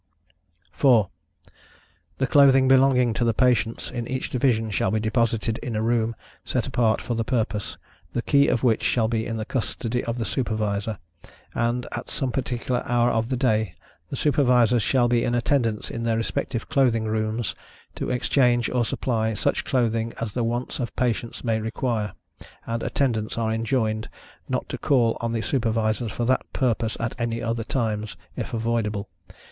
4. The clothing belonging to the patients, in each division, shall be deposited in a room, set apart for the purpose, the key of which shall be in custody of the Supervisor, and, at some particular hour of the day, the Supervisors shall be in attendance in their respective clothing rooms, to exchange, or supply, such clothing as the wants of patients may require, and Attendants are enjoined, not to call on the Supervisors, for that purpose, at any other times, if avoidable.